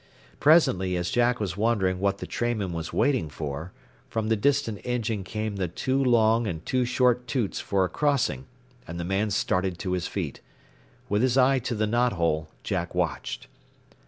Presently, as Jack was wondering what the trainman was waiting for, from the distant engine came the two long and two short toots for a crossing, and the man started to his feet. With his eye to the knot hole Jack watched.